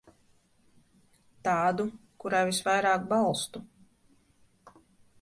Tādu, kurai visvairāk balstu.